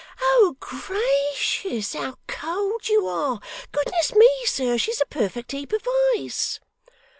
Oh, gracious! how cold you are! Goodness me, sir, she's a perfect heap of ice.